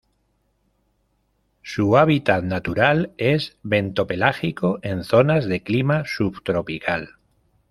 Su hábitat natural es bentopelágico, en zonas de clima subtropical.